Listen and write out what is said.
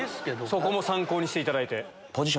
そこも参考にしていただいて。